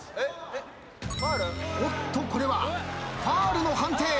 おっとこれはファウルの判定。